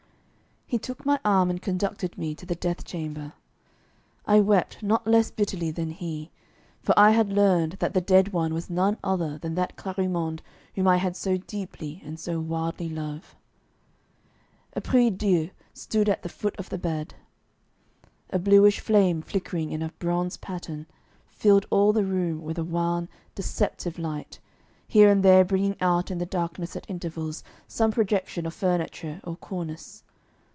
He took my arm and conducted me to the death chamber. I wept not less bitterly than he, for I had learned that the dead one was none other than that Clarimonde whom I had so deeply and so wildly loved. A prie dieu stood at the foot of the bed; a bluish flame flickering in a bronze patern filled all the room with a wan, deceptive light, here and there bringing out in the darkness at intervals some projection of furniture or cornice.